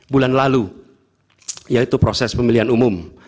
bulan lalu yaitu proses pemilihan umum